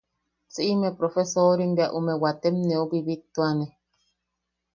Siʼime profesorim bea ume waatem neu bibittuane.